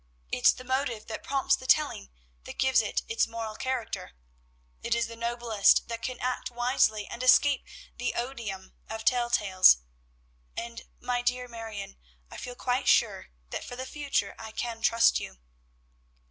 It's the motive that prompts the telling that gives it its moral character. It is the noblest that can act wisely, and escape the odium of tell tales; and, my dear Marion, I feel quite sure that for the future I can trust you."